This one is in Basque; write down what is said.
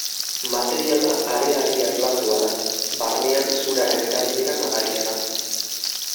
Materiala harearri-harlandua da; barnean zuraren erabilera nabaria da.